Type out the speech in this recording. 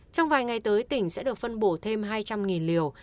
trong vài ngày tới tỉnh sẽ được phân bổ thêm hai trăm linh liều